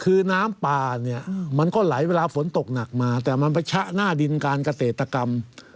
คือน้ำป่าเนี่ยมันก็ไหลเวลาฝนตกหนักมาแต่มันไปชะหน้าดินการเกษตรกรรม